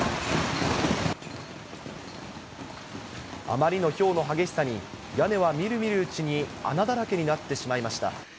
あまりのひょうの激しさに、屋根はみるみるうちに穴だらけになってしまいました。